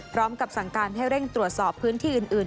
พร้อมกับสั่งการให้เร่งตรวจสอบพื้นที่อื่น